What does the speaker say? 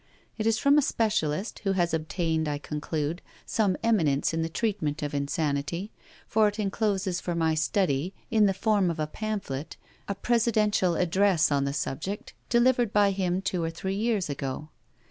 It is from a specialist, who has obtained, I conclude, some eminence in the treatment of insanity; for it encloses for my study, in the form of a pamphlet, a presidential address on the subject delivered by him two or three years ago.